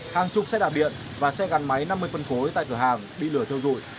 hàng chục xe đạp điện và xe gắn máy năm mươi phân khối tại cửa hàng bị lửa theo dụi